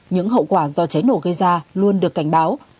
những hậu quả do cháy nổ gây ra luôn được cảnh báo